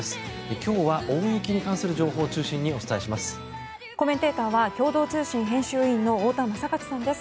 今日は大雪に関する情報を中心にお伝えします。